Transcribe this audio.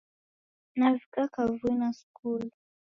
Navika kavui na skulu